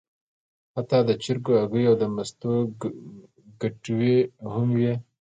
حتی د چرګو هګۍ او د مستو کټوۍ هم وې.